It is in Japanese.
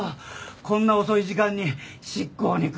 こんな遅い時間に執行に来るなんて。